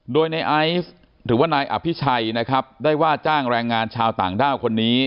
โดยในไอซ์หรือว่านายอภิชัยนะครับได้ว่าจ้างแรงงานชาวต่างด้าวคนนี้